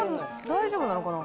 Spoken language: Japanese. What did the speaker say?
大丈夫なのかな。